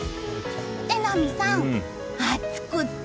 榎並さん、暑くて。